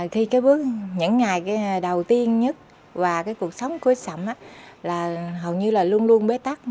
thì cái bước những ngày đầu tiên nhất và cái cuộc sống của chị sầm là hầu như là luôn luôn bế tắc